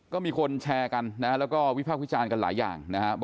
ก็มีคนแชร์กันนะฮะแล้วก็วิพากษ์วิจารณ์กันหลายอย่างนะครับ